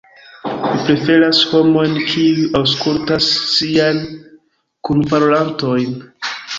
Mi preferas homojn, kiuj aŭskultas siajn kunparolantojn.